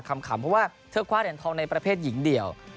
คำเพราะว่าเธอคว้าเหรียญทองในประเภทหญิงเดียว